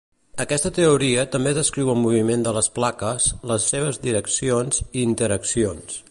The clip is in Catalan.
Aquesta teoria també descriu el moviment de les plaques, les seves direccions i interaccions.